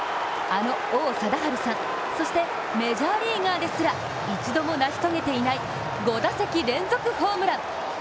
あの王貞治さん、そして、メジャーリーガーですら一度も成し遂げていない５打席連続ホームラン。